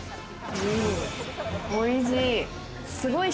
おいしい。